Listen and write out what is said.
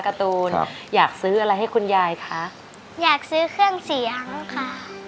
การ์ตูนอยากซื้ออะไรให้คุณยายคะอยากซื้อเครื่องเสียงค่ะ